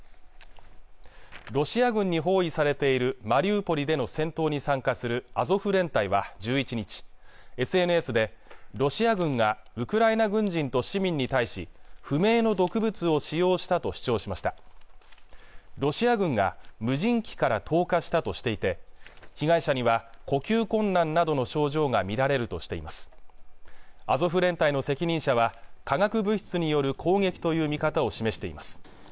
ロシア軍に包囲されているマリウポリでの戦闘に参加するアゾフ連隊は１１日ＳＮＳでロシア軍がウクライナ軍人と市民に対し不明の毒物を使用したと主張しましたロシア軍が無人機から投下したとしていて被害者には呼吸困難などの症状が見られるとしていますアゾフ連隊の責任者は化学物質による攻撃という見方を示しています